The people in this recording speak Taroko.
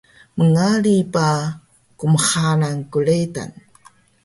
mngari ba kmxalan kretan